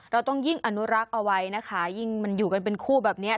เราต้องยิ่งอนุรักษ์เอาไว้นะคะยิ่งมันอยู่กันเป็นคู่แบบนี้